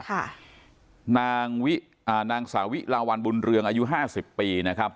ค่ะนางนางสาวิราวร์บุญเรืองอายุห้าสิบปีนะครับ